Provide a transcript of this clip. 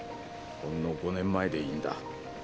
ほんの５年前でいいんだ。